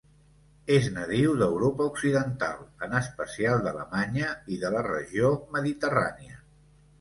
És nadiu d'Europa occidental en especial d'Alemanya i de la regió mediterrània.